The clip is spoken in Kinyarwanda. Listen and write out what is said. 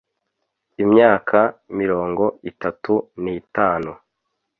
Imyaka mirongo itatu nitanu